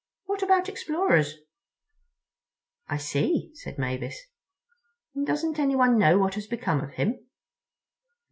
What about explorers?" "I see," said Mavis; "and doesn't anyone know what has become of him?"